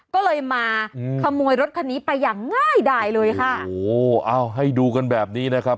ก็เลยมาขโมยรถคันนี้ไปอย่างง่ายดายเลยค่ะโอ้โหเอาให้ดูกันแบบนี้นะครับ